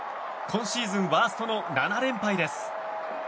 今シーズンワーストの７連敗です。